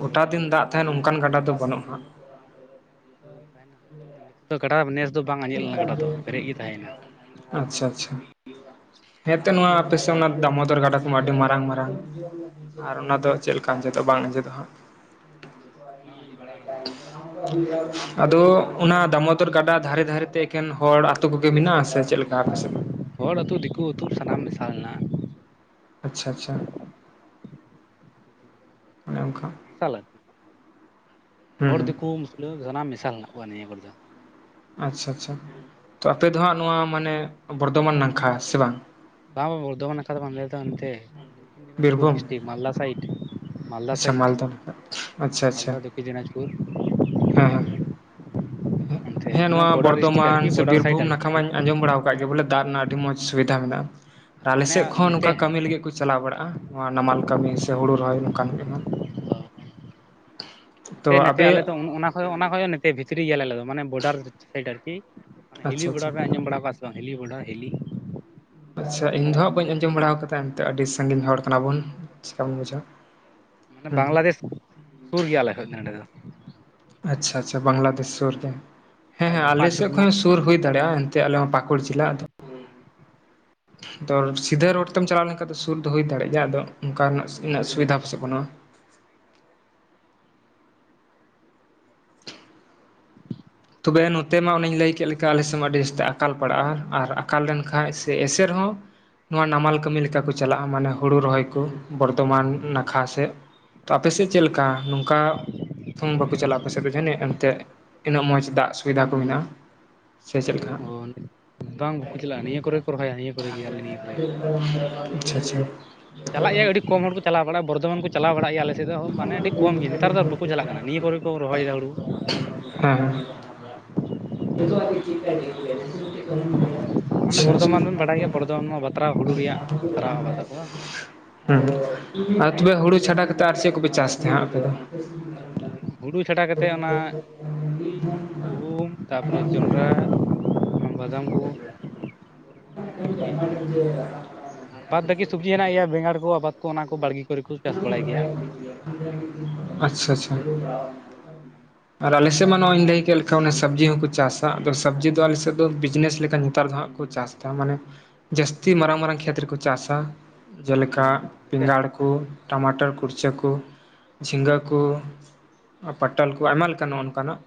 ᱜᱚᱴᱟ ᱛᱷᱚᱲᱟ ᱫᱤᱱ ᱫᱟᱜ ᱛᱟᱦᱮᱱ ᱚᱱᱠᱟᱱ ᱜᱟᱰᱟ ᱫᱚ ᱵᱟᱹᱱᱩᱜᱼᱟ᱾ ᱛᱚ ᱜᱟᱰᱟ ᱫᱚ ᱱᱮᱥ ᱫᱚ ᱵᱟᱝ ᱟᱸᱡᱮᱫ ᱞᱮᱱᱟ ᱜᱟᱰᱟ ᱫᱚ ᱯᱮᱨᱮᱡ ᱜᱮ ᱛᱟᱦᱮᱭᱱᱟ᱾ ᱟᱪᱪᱷᱟ ᱟᱪᱪᱷᱟ᱾ ᱦᱮᱸ ᱛᱚ ᱱᱚᱣᱟ ᱟᱯᱮ ᱥᱮᱫ ᱚᱱᱟ ᱫᱟᱢᱳᱫᱚᱨ ᱜᱟᱰᱟ ᱠᱚᱢᱟ ᱟᱹᱰᱤ ᱢᱟᱨᱟᱝ ᱢᱟᱨᱟᱝ᱾ ᱟᱨ ᱦᱳᱭ ᱚᱱᱟ ᱦᱳᱭ ᱫᱚ ᱪᱮᱫ ᱞᱮᱠᱟ ᱟᱸᱡᱮᱫᱚᱜ-ᱟ ᱵᱟᱝ ᱟᱸᱡᱮᱫᱚᱜ-ᱟ ᱦᱟᱸᱜ᱾ ᱵᱟᱝ ᱟᱡᱮᱜ ᱵᱟᱲᱟ ᱚᱱᱟ ᱠᱚᱫᱚ᱾ ᱟᱫᱚ ᱟᱨ ᱚᱱᱟ ᱯᱮᱨᱮᱡ ᱫᱟᱢᱳᱚᱫᱚᱨ ᱜᱟᱰᱟ ᱫᱷᱟᱨᱮ ᱫᱷᱟᱨᱮ ᱛᱮ ᱮᱠᱷᱮᱱ ᱦᱚᱲ ᱟᱹᱛᱩᱳ ᱠᱚᱜᱮ ᱢᱮᱱᱟᱜᱼᱟ ᱥᱮ ᱪᱮᱫ ᱞᱮᱠᱟ ᱟᱯᱮ ᱥᱮᱫ? ᱦᱚᱲ ᱟᱹᱛᱩ ᱫᱤᱠᱩ ᱟᱹᱛᱩ ᱥᱟᱱᱟᱢ ᱢᱮᱥᱟᱞ ᱦᱮᱱᱟᱼᱟ᱾ ᱟᱪᱪᱷᱟ ᱟᱪᱪᱷᱟ, ᱫᱤᱠᱩ ᱟᱹᱛᱩ ᱢᱮᱱᱟᱜᱼᱟ ᱦᱚᱲ ᱟᱹᱛᱩ ᱚᱱᱮ ᱚᱱᱠᱟ᱾ ᱢᱮᱥᱟᱞ ᱟᱨᱠᱤ ᱦᱩᱸ ᱦᱚᱲ ᱦᱩᱸ ᱫᱤᱠᱩ ᱢᱩᱥᱞᱟᱹ ᱥᱟᱱᱟᱢ ᱢᱮᱥᱟᱞ ᱦᱮᱱᱟᱜ ᱠᱚᱣᱟ ᱱᱤᱭᱟᱹ ᱠᱚᱨᱮ ᱫᱚ, ᱟᱪᱪᱷᱟ ᱟᱪᱪᱷᱟ ᱛᱚ ᱟᱯᱮ ᱫᱚ ᱦᱟᱜ ᱱᱚᱣᱟ ᱢᱟᱱᱮ ᱵᱚᱨᱫᱷᱚᱢᱟᱱ ᱱᱟᱠᱷᱟ ᱥᱮ ᱵᱟᱝ, ᱵᱟᱝ ᱵᱟᱝ ᱵᱚᱨᱫᱷᱚᱢᱟᱱ ᱱᱟᱠᱷᱟ ᱟᱞᱮᱫᱚ ᱦᱟᱱᱛᱮ ᱫᱚᱠᱠᱷᱤᱱ ᱫᱤᱱᱟᱡᱯᱩᱨ ᱵᱤᱨᱵᱷᱩᱢ ᱰᱤᱥᱴᱤᱠ ᱢᱟᱞᱫᱟ ᱥᱟᱭᱤᱰ, ᱟᱪᱪᱷᱟ ᱢᱟᱞᱫᱟ ᱟᱪᱪᱷᱟ ᱟᱪᱪᱷᱟ ᱢᱟᱞᱫᱟ ᱫᱚᱠᱠᱷᱤᱱ ᱫᱤᱱᱟᱡᱽᱯᱩᱨ ᱦᱮᱸ ᱦᱮᱸ, ᱚᱱᱛᱮ ᱦᱮᱸ ᱚᱱᱟ ᱱᱚᱣᱟ ᱵᱚᱰᱟᱨ ᱰᱤᱥᱴᱤᱠ ᱵᱚᱨᱫᱷᱚᱢᱟᱱ ᱟᱨᱠᱤ ᱥᱮ ᱵᱚᱰᱟᱨ ᱥᱟᱭᱤᱰ ᱵᱤᱨᱵᱷᱩᱢ ᱟᱨᱠᱤ ᱱᱟᱠᱷᱟ ᱢᱟᱧ ᱟᱸᱡᱚᱢ ᱵᱟᱲᱟᱣ ᱠᱟᱜ ᱜᱮ ᱵᱚᱞᱮ ᱫᱟᱜ ᱨᱮᱱᱟᱜ ᱟᱹᱰᱤ ᱢᱚᱸᱡᱽ ᱥᱩᱵᱤᱫᱷᱟ ᱢᱮᱱᱟᱜᱼᱟ ᱟᱨ ᱟᱞᱮ ᱢᱟᱱᱮ ᱥᱮᱫ ᱠᱷᱚᱱ ᱱᱚᱛᱮ ᱱᱚᱝᱠᱟ ᱠᱟᱹᱢᱤ ᱞᱟᱹᱜᱤᱫ ᱠᱚ ᱪᱟᱞᱟᱣ ᱵᱟᱲᱟᱜᱼᱟ᱾ ᱱᱚᱣᱟ ᱱᱟᱢᱟᱞ ᱠᱟᱹᱢᱤ ᱥᱮ ᱦᱩᱲᱩ ᱨᱚᱦᱚᱭ ᱱᱚᱝᱠᱟᱱ ᱮᱢᱟᱱ᱾ ᱚ ᱛᱚ ᱟᱵᱮ, ᱦᱚᱭ ᱚᱱᱟ ᱠᱷᱚᱱ ᱱᱚᱛᱮ ᱵᱷᱤᱛᱨᱤ ᱜᱮᱭᱟ ᱟᱞᱮ ᱫᱚ ᱢᱟᱱᱮ ᱵᱚᱰᱟᱨ ᱥᱟᱭᱤᱰ ᱟᱨᱠᱤ ᱢᱟᱱᱮ ᱦᱤᱞᱤ ᱟᱪᱪᱷᱟ ᱵᱚᱰᱟᱨ ᱟᱪᱪᱷᱟ ᱯᱮ ᱟᱡᱸᱚᱢ ᱵᱟᱲᱟᱣ ᱠᱟᱫ ᱵᱟᱝ ᱦᱮᱞᱤ ᱵᱚᱰᱟ ᱦᱮᱞᱤ᱾ ᱟᱪᱪᱷᱟ ᱤᱧ ᱫᱚ ᱦᱟᱸᱜ ᱵᱟᱹᱧ ᱟᱸᱡᱚᱢ ᱵᱟᱲᱟ ᱟᱠᱟᱫᱟ ᱮᱱᱛᱮᱜ ᱟᱹᱰᱤ ᱥᱟᱺᱜᱤᱧ ᱦᱚᱲ ᱠᱟᱱᱟ ᱵᱚᱱ᱾ ᱪᱤᱠᱟᱵᱚᱱ ᱵᱩᱡᱷᱟᱹᱣᱟ ᱢᱟᱱᱮ ᱦᱩᱸ ᱵᱟᱝᱞᱟᱫᱮᱥ ᱥᱩᱨ ᱜᱮᱭᱟᱞᱮ ᱠᱷᱚᱡ ᱱᱚᱰᱮ ᱫᱚ᱾ ᱟᱪᱪᱷᱟ ᱟᱪᱪᱷᱟ ᱵᱟᱝᱞᱟᱫᱮᱥ ᱥᱩᱨ ᱨᱮ ᱦᱮᱸ ᱠᱷᱟᱡ ᱦᱮᱸ ᱫᱚ ᱯᱟᱸᱪ ᱪᱷᱚ ᱟᱞᱮᱥᱮᱫ ᱠᱤᱞᱳ ᱠᱷᱚᱱ ᱥᱩᱨ ᱦᱩᱭ ᱫᱟᱲᱮᱭᱟᱜᱼᱟ ᱮᱱ ᱟᱞᱮ ᱦᱚᱸ ᱯᱟᱟᱹᱠᱩᱲ ᱡᱮᱞᱟ ᱛᱚ ᱥᱤᱫᱷᱟᱹ ᱨᱳᱰ ᱛᱮᱢ ᱪᱟᱞᱟᱣ ᱞᱮᱱᱠᱷᱟᱱ ᱫᱚ ᱥᱩᱨ ᱫᱚ ᱦᱩᱭ ᱫᱟᱲᱮᱜ ᱜᱮᱼᱟ ᱟᱫᱚ ᱚᱱᱠᱟᱱᱟᱜ ᱩᱱᱟᱹᱜ ᱥᱩᱵᱤᱫᱷᱟ ᱯᱟᱥᱮ ᱵᱟᱱᱩᱜᱼᱟ᱾ ᱹ [inaudible] ᱛᱚᱵᱮ ᱱᱚᱛᱮ ᱢᱟ ᱚᱱᱮᱧ ᱞᱟᱹᱭ ᱠᱮᱫ ᱞᱮᱠᱟ ᱟᱞᱮ ᱥᱮᱫ ᱢᱟ ᱟᱹᱰᱤ ᱡᱟᱹᱥᱛᱮ ᱟᱠᱟᱞ ᱯᱟᱲᱟᱜᱼᱟ ᱟᱨ ᱟᱠᱟᱞ ᱞᱮᱱᱠᱟᱱ ᱥᱮ ᱮᱥᱮᱨ ᱦᱚᱸ ᱱᱚᱣᱟ ᱱᱟᱢᱟᱞ ᱠᱟᱹᱢᱤ ᱞᱮᱠᱟ ᱠᱚ ᱪᱟᱞᱟᱜᱼᱟ ᱢᱟᱱᱮ ᱦᱳᱲᱳ ᱨᱚᱦᱚᱭ ᱠᱚ, ᱵᱚᱨᱫᱷᱚᱢᱟᱱ ᱱᱟᱠᱷᱟ ᱥᱮᱫ ᱛᱚ ᱟᱯᱮ ᱥᱮᱫ ᱪᱮᱫ ᱞᱮᱠᱟ ᱱᱚᱝᱠᱟ᱾ ᱛᱚᱝ ᱵᱟᱠᱚ ᱪᱟᱞᱟᱜᱼᱟ ᱟᱯᱮᱥᱮᱡ ᱫᱚ ᱡᱟᱹᱱᱤᱡ ᱮᱱᱛᱮ ᱤᱱᱟᱹᱜ ᱢᱚᱸᱡᱽ ᱫᱟᱜ ᱥᱩᱵᱤᱫᱷᱟ ᱠᱚ ᱢᱮᱱᱟᱜᱼᱟ᱾ ᱥᱮ ᱪᱮᱫ ᱞᱮᱠᱟ᱾ ᱚ ᱵᱟᱝ ᱵᱟᱠᱚ ᱪᱟᱞᱟᱜᱼᱟ ᱱᱤᱭᱟᱹ ᱠᱚᱨᱮ ᱠᱚ ᱨᱚᱦᱚᱭᱟ ᱱᱤᱭᱟᱹ ᱠᱚᱨᱮ ᱜᱮ ᱟᱞᱮ ᱱᱤᱭᱟᱹ ᱠᱚᱨᱮ ᱟᱪᱪᱷᱟ ᱟᱪᱷᱟ᱾ ᱪᱟᱞᱟᱜ ᱜᱮᱭᱟ ᱟᱹᱰᱤ ᱠᱚᱢ ᱦᱚᱲ ᱠᱚ ᱪᱟᱞᱟᱣ ᱵᱟᱲᱟᱜᱼᱟ ᱵᱚᱨᱫᱚᱢᱟᱱ ᱠᱚ ᱪᱟᱞᱟᱣ ᱵᱟᱲᱟᱜ ᱜᱮᱭᱟ ᱟᱞᱮᱥᱮᱫ ᱦᱚᱸ ᱢᱟᱱᱮ ᱟᱹᱰᱤ ᱠᱚᱢ ᱜᱮ ᱱᱮᱛᱟᱨ ᱫᱚ ᱵᱟᱠᱚ ᱪᱟᱞᱟᱜ ᱠᱟᱱᱟ ᱱᱤᱭᱟᱹ ᱠᱚᱨᱮ ᱠᱚ ᱨᱚᱦᱚᱭᱮᱫᱟ ᱦᱩᱲᱩ᱾ ᱦᱮᱸ ᱦᱮᱸ ᱱᱤᱛᱳᱜ ᱦᱟᱵᱤᱡ᱾ ᱟᱪᱷᱟ ᱢᱟᱱᱮ ᱪᱷᱟ [inaudible] ᱵᱚᱨᱫᱷᱚᱢᱟᱱ ᱵᱮᱱ ᱵᱟᱰᱟᱭ ᱜᱮᱭᱟ ᱵᱚᱨᱫᱷᱚᱢᱟᱱ ᱢᱟ ᱵᱟᱛᱨᱟᱣ ᱦᱩᱲᱩ ᱨᱮᱭᱟᱜ ᱵᱟᱛᱨᱟᱣ ᱟᱵᱟᱫ ᱟᱠᱚ ᱵᱟᱝ ᱦᱚᱸ ᱟᱨ ᱛᱚᱵᱮ ᱦᱩᱲᱩ ᱪᱷᱟᱰᱟ ᱠᱟᱛᱮᱫ ᱟᱨ ᱪᱮᱫ ᱠᱚᱯᱮ ᱪᱟᱥ ᱛᱟᱦᱮᱸ ᱟᱯᱮ ᱫᱚ᱾ ᱦᱩᱲᱩ ᱪᱷᱟᱰᱟ ᱠᱟᱛᱮᱫ ᱚᱱᱟ ᱛᱩᱲᱤ ᱜᱩᱦᱩᱢ, ᱛᱟᱯᱚᱨᱮ ᱡᱚᱱᱰᱨᱟ ᱵᱟᱫᱟᱢ ᱠᱚ᱾ ᱤᱭᱟᱹ ᱠᱚᱜᱮ ᱟᱨ ᱵᱟᱫ ᱵᱟᱹᱠᱤ ᱥᱚᱵᱽᱡᱤ ᱦᱮᱱᱟᱜ ᱜᱮᱭᱟ ᱵᱮᱸᱜᱟᱲ ᱠᱚ ᱟᱵᱟᱫ ᱠᱚ ᱚᱱᱟ ᱠᱚ ᱵᱟᱲᱜᱮ᱾ ᱠᱩ ᱨᱮ ᱠᱚ ᱪᱟᱥ ᱵᱟᱲᱟᱭ ᱜᱮᱭᱟ᱾ ᱟᱪᱪᱷᱟ ᱟᱪᱪᱷᱟ, [unintelligible] ᱟᱨ ᱟᱞᱮᱥᱮᱫ ᱢᱟ ᱱᱚᱜᱧ ᱞᱟᱹᱭ ᱠᱮᱫ ᱞᱮᱠᱟᱱᱡ ᱚᱱᱟ ᱥᱚᱵᱽᱡᱤ ᱦᱚᱸᱠᱚ ᱪᱟᱥᱟ ᱟᱫᱚ ᱥᱚᱵᱽᱡᱤ ᱫᱚ ᱟᱞᱮᱥᱮᱫ ᱫᱚ ᱵᱤᱡᱽᱱᱮᱥ ᱞᱮᱠᱟ ᱱᱮᱛᱟᱨ ᱫᱚ ᱦᱟᱜ ᱠᱚ ᱪᱟᱥᱟ᱾ ᱢᱟᱱᱮ ᱡᱟᱹᱥᱛᱤ ᱢᱟᱨᱟᱝ ᱢᱟᱨᱟᱝ ᱠᱷᱮᱛ ᱨᱮᱠᱚ ᱪᱟᱥᱟ ᱡᱮᱞᱮᱠᱟ ᱵᱮᱸᱜᱟᱲ᱾ ᱴᱟᱢᱟᱴᱟᱨ ᱠᱩᱲᱪᱟᱹ ᱠᱚ ᱡᱷᱤᱸᱜᱟᱹ ᱠᱚ᱾ ᱯᱟᱚᱴᱚᱞ ᱠᱚ ᱟᱭᱢᱟ ᱞᱮᱠᱟ ᱱᱚᱜ ᱱᱚᱝᱠᱟᱱᱟᱜ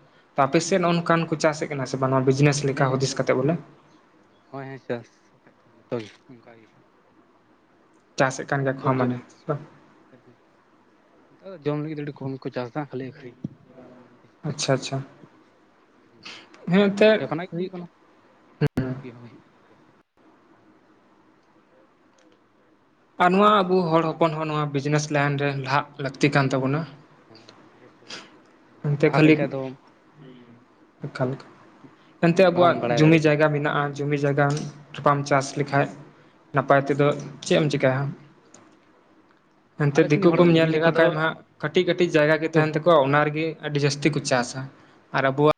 ᱟᱯᱮᱥᱮᱫ ᱱᱚᱜ᱾ ᱱᱚᱝᱠᱟᱱ ᱠᱚ ᱪᱟᱥᱮᱫ ᱠᱟᱱᱟ ᱥᱮ ᱵᱤᱡᱽᱱᱮᱥ ᱞᱮᱠᱟ ᱦᱮᱸ ᱦᱩᱫᱤᱥ ᱟᱪᱪᱷᱟ ᱠᱟᱛᱮ ᱵᱚᱞᱮ, ᱦᱳᱭ ᱦᱮᱸ ᱪᱟᱥ ᱵᱟᱠᱷᱟᱡ ᱫᱚ ᱡᱚᱛᱚᱜ ᱜᱮ ᱚᱱᱠᱟᱜ ᱜᱮ, ᱪᱟᱥᱮᱫ ᱠᱟᱱ ᱜᱮᱭᱟ ᱠᱚ ᱢᱟᱱᱮ᱾ ᱱᱮᱛᱳᱜ ᱫᱚ ᱡᱚᱢ ᱞᱟᱹᱜᱤᱫ ᱫᱚ ᱟᱹᱰᱤ ᱠᱚᱢ ᱠᱚ ᱪᱟᱥᱟ ᱠᱷᱟᱹᱞᱤ ᱟᱠᱷᱨᱤᱧ, ᱟᱪᱪᱷᱟ ᱟᱪᱪᱷᱟ ᱦᱮᱸ ᱟᱨ ᱮᱱᱛᱮᱫ ᱚᱸᱰᱮ ᱠᱷᱚᱱᱟᱜ ᱜᱮ ᱦᱩᱭᱩᱜ ᱠᱟᱱᱟ ᱡᱚᱢ ᱞᱟᱹᱜᱤᱫ ᱦᱚᱸ ᱦᱩᱭᱩᱜ ᱠᱟᱱᱟ ᱟᱨ ᱱᱚᱣᱟ ᱡᱚᱢ ᱟᱵᱩ ᱞᱟᱹᱜᱤᱫ ᱦᱚᱸ ᱦᱩᱭᱩᱜ ᱦᱚᱲ ᱠᱟᱱᱟ ᱦᱚᱯᱚᱱ ᱦᱚᱸ ᱱᱚᱣᱟ ᱵᱤᱡᱽᱱᱮᱥ ᱞᱟᱭᱤᱱ ᱨᱮ ᱞᱟᱦᱟᱜ ᱞᱟᱹᱠᱛᱤ ᱠᱟᱱ ᱛᱟᱵᱚᱱᱟ ᱦᱮᱸ ᱚᱵᱚᱥᱥᱳᱭ ᱵᱟᱢ ᱞᱟᱦᱟ ᱞᱮᱱᱠᱷᱟ ᱫᱚ ᱞᱮᱠᱟ ᱞᱮᱠᱟ ᱮᱱᱛᱮ ᱵᱟᱢ ᱟᱵᱚᱣᱟᱜ ᱵᱟᱲᱟᱭ ᱡᱩᱢᱤ ᱫᱟᱲᱮᱭᱟᱜᱼᱟ ᱡᱟᱭᱜᱟ ᱢᱮᱱᱟᱜᱼᱟ ᱡᱩᱢᱤ ᱡᱟᱭᱜᱟᱢ ᱵᱟᱢ ᱪᱟᱥ ᱞᱮᱠᱷᱟᱱ ᱱᱟᱯᱟᱭ ᱛᱮᱫᱚ ᱪᱮᱫ ᱮᱢ ᱪᱮᱠᱟᱭᱭᱟ [inaudible] ᱮᱱᱛᱮ ᱟᱞᱮ ᱥᱮᱱᱤᱡ ᱦᱚᱲ ᱫᱤᱠᱩᱠᱚᱢ ᱫᱚ ᱧᱮᱞ ᱡᱩᱢᱤ ᱞᱮᱠᱚ ᱡᱟᱭᱜᱟ ᱫᱚ ᱠᱷᱟᱱ ᱢᱟ ᱦᱟᱸᱜ ᱠᱟᱹᱴᱤᱡ ᱠᱟᱹᱴᱤᱡ ᱡᱟᱭᱜᱟ ᱜᱮ ᱩᱱᱟᱹᱜ ᱫᱚ ᱛᱟᱦᱮᱱ ᱛᱟᱠᱚᱣᱟ ᱚᱱᱟ ᱨᱮ ᱜᱮᱼᱼ ᱟᱹᱰᱤ ᱡᱟᱹᱥᱛᱤ ᱠᱚ ᱪᱟᱥᱟ ᱟᱨ ᱟᱵᱚᱣᱟᱜᱼᱼ